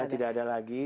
sudah tidak ada lagi